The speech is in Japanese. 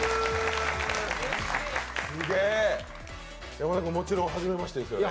山田君、もちろんはじめましてですよね？